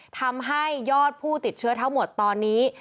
ทำให้ยอดผู้ติดเชื้อทั้งหมดตอนนี้